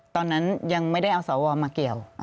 ตอนนั้นยังไม่ได้เอาสวมาเกี่ยว